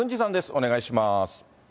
お願いします。